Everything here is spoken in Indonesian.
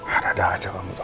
ada ada aja kamu tuh